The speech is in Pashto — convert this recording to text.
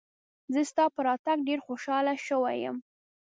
زه ستا په راتګ ډېر خوشاله شوی یم.